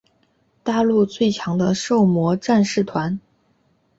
大陆最强的狩魔战士团。